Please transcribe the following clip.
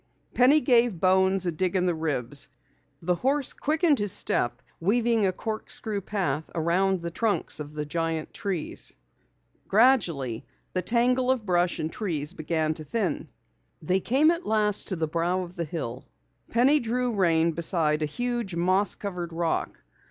Penny gave Bones a dig in the ribs. The horse quickened his step, weaving a corkscrew path around the trunks of the giant trees. Gradually the tangle of brush and trees began to thin out. They came at last to a clearing at the brow of the hill. Penny drew rein beside a huge, moss covered rock.